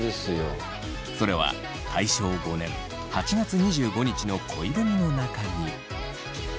それは大正５年８月２５日の恋文の中に。